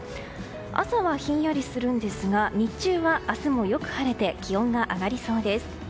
朝はひんやりするんですが日中は、明日もよく晴れて気温が上がりそうです。